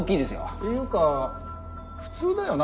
っていうか普通だよな